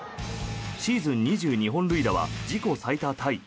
シーズン２２本塁打は自己最多タイ。